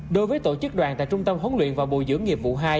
đối với tổ chức đoàn tại trung tâm huấn luyện và bùi dưỡng nghiệp vụ hai